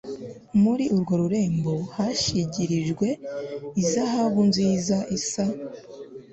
muri urwo rurembo yashigirijwe izahabu nziza isa